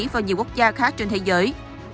và nhiều quốc gia khác trên thế giới